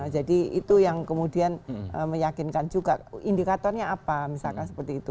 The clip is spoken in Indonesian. jadi itu yang kemudian meyakinkan juga indikatornya apa misalkan seperti itu